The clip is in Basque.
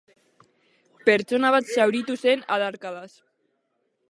Pertsona bat zauritu zen adarkadaz.